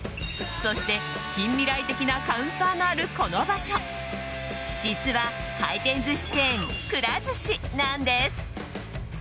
そして、近未来的なカウンターのあるこの場所実は、回転寿司チェーンくら寿司なんです。